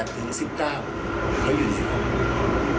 ๑๘ถึง๑๙เขาอยู่ในนี้